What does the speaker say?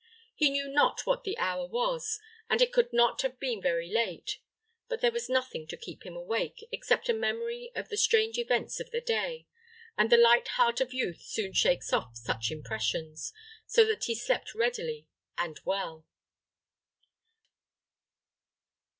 He knew not what the hour was, and it could not have been very late. But there was nothing to keep him awake, except a memory of the strange events of the day, and the light heart of youth soon shakes off such impressions, so that he slept readily and well.